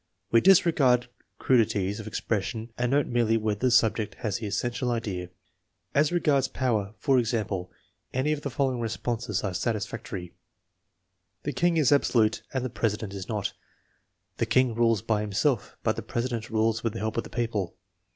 We disregard crudities of expres sion and note merely whether the subject has the essential idea. As regards power, for example, any of the following responses are satisfactory: " The king is absolute and the president is not." " The king rules by himself, but the presi dent rules with the help of the people.'